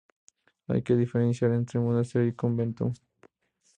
Hay que diferenciar entre monasterio y convento.